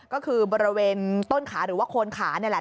ก็คือบริเวณต้นขาหรือว่าโคนขานี่แหละ